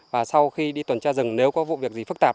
và sau khi đi tuần tra rừng nếu có vụ việc gì phức tạp